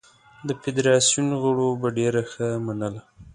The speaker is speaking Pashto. د فدراسیون غړو به ډېره ښه منله.